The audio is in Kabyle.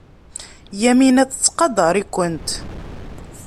Yamina tettqadar-ikent.